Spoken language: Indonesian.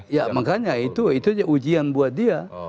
ya makanya itu ujian buat dia